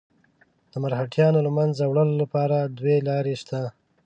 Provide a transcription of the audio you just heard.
د مرهټیانو له منځه وړلو لپاره دوې لارې شته.